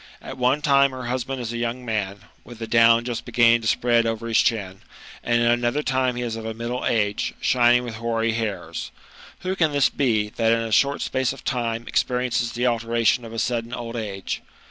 At one time her husband is a young man, with the down just beginning to spread over his chin, and at another time he is of a middle age,.shining with hoary hairs. Who can this be, that in a short space of thne experiences the alteration of a sudden old age